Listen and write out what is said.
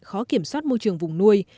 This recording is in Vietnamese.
khó kiểm soát môi trường vùng nuôi